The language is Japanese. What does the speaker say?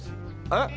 えっ！